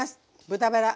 豚バラ。